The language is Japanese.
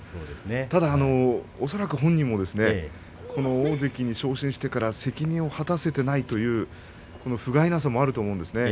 ただ恐らく本人もこの大関に昇進してから責任を果たせていないというふがいなさもあると思うんです。